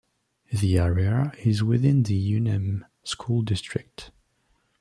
The area is within the Hueneme School District.